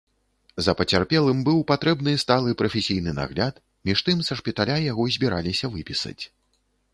За пацярпелым быў патрэбны сталы прафесійны нагляд, між тым са шпіталя яго збіраліся выпісаць.